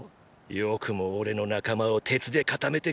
「よくも俺の仲間を鉄で固めてくれたな」